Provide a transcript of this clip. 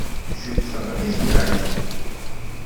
Cukkteɣ ad k-yeɛjeb.